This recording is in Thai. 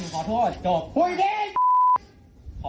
ขอบคุณพระเจ้า